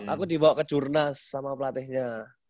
aku dibawa ke jurnas sama pelatihnya